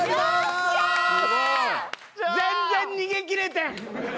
全然逃げきれてん。